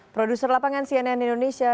produser lapangan cnn indonesia